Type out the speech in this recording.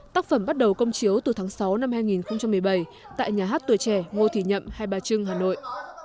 tác phẩm bắt đầu công chiếu từ tháng sáu năm hai nghìn một mươi bảy tại nhà hát tuổi trẻ ngô thị nhậm hai bà trưng hà nội